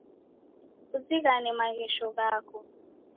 Kuzighane maghesho ghako.